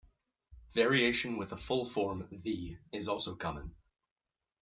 Variation with a full form "the" is also common.